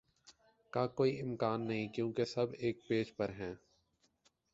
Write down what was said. کا کوئی امکان نہیں کیونکہ سب ایک پیج پر ہیں